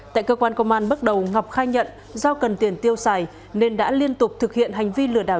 tại cơ quan công an bước đầu ngọc khai nhận do cần tiền tiêu xài nên đã liên tục thực hiện hành vi lừa đảo